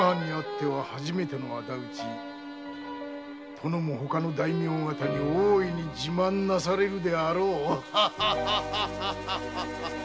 殿もほかの大名方に大いに自慢なされるであろう。